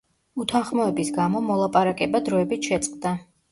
უთანხმოების გამო, მოლაპარაკება დროებით შეწყდა.